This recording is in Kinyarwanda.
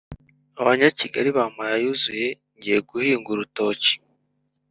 abanyakigali bampaye ayuzuye ngiye guhinga urutoki’